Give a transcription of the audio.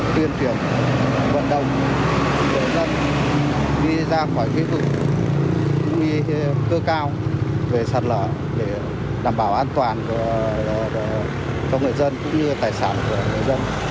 tuyên truyền vận động người dân đi ra khỏi khu vực nguy cơ cao về sạt lở để đảm bảo an toàn cho người dân cũng như tài sản của người dân